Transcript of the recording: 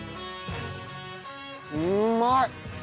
うまい！